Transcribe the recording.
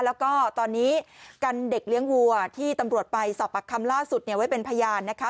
แล้วก็ตอนนี้กันเด็กเลี้ยงวัวที่ตำรวจไปสอบปากคำล่าสุดไว้เป็นพยานนะคะ